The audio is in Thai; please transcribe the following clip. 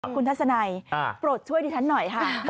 คุณทัศนัยโปรดช่วยดิฉันหน่อยค่ะ